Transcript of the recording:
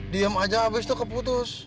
diem aja abis itu keputus